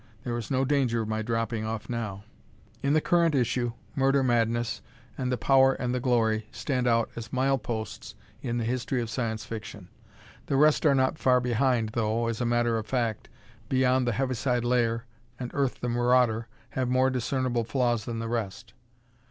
There is no danger of my dropping off now! In the current issue, "Murder Madness" and "The Power and the Glory" stand out as mile posts in the history of Science Fiction. The rest are not far behind, though, as a matter of fact, "Beyond the Heaviside Layer" and "Earth, the Marauder" have more discernible flaws than the rest.